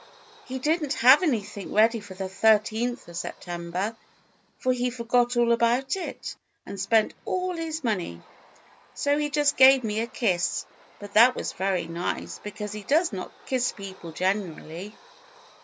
He did n't have any thing ready the thirteenth of September, for he forgot all about it, and spent all his money, so he just gave me a kiss, but that was very nice, because he does not kiss peopfe generally.